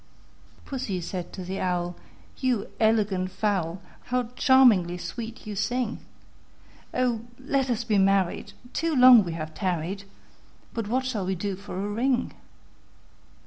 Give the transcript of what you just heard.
II. Pussy said to the Owl, "You elegant fowl, How charmingly sweet you sing! Oh! let us be married; too long we have tarried: But what shall we do for a ring?"